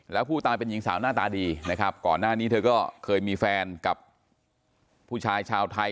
แล้วผู้ตายเป็นหญิงสาวหน้าตาดีนะครับก่อนหน้านี้เธอก็เคยมีแฟนกับผู้ชายชาวไทย